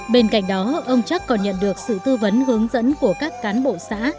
bên cạnh đó ông trắc còn nhận được sự tư vấn hướng dẫn của các cán bộ xã